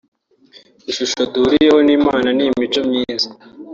Ishusho duhuriyeho n’Imana ni imico myiza